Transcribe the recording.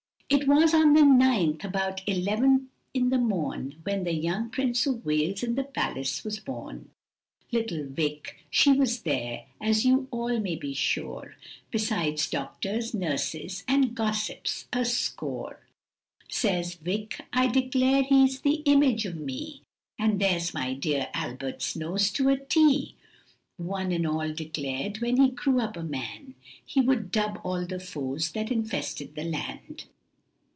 It was on the ninth, about eleven in the morn, When the young Prince of Wales in the palace was born, Little Vic. she was there, as you all may be sure, Besides doctors, nurses, and gossips a score, Says Vic. I declare he is the image of me, And there's my dear Albert's nose to a tee, One and all declared, when he grew up a man, He would drub all the foes that infested the land.